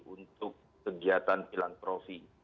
untuk kegiatan pilang profi